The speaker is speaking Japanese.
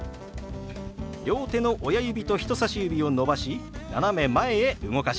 両手の親指と人さし指を伸ばし斜め前へ動かします。